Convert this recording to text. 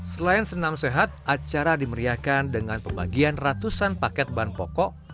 selain senam sehat acara dimeriahkan dengan pembagian ratusan paket bahan pokok